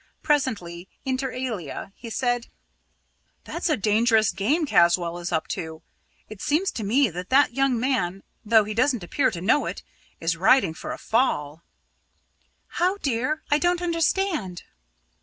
Presently, inter alia, he said: "That's a dangerous game Caswall is up to. It seems to me that that young man though he doesn't appear to know it is riding for a fall!" "How, dear? I don't understand."